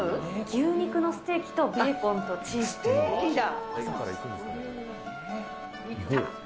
牛肉のステーキとベーコンとステーキだ。